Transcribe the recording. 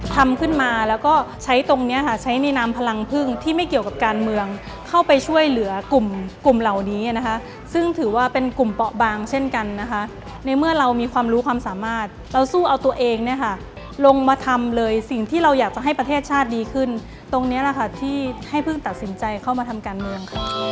ทำขึ้นมาแล้วก็ใช้ตรงเนี้ยค่ะใช้ในนามพลังพึ่งที่ไม่เกี่ยวกับการเมืองเข้าไปช่วยเหลือกลุ่มกลุ่มเหล่านี้นะคะซึ่งถือว่าเป็นกลุ่มเปาะบางเช่นกันนะคะในเมื่อเรามีความรู้ความสามารถเราสู้เอาตัวเองเนี่ยค่ะลงมาทำเลยสิ่งที่เราอยากจะให้ประเทศชาติดีขึ้นตรงนี้แหละค่ะที่ให้พึ่งตัดสินใจเข้ามาทำการเมืองค่ะ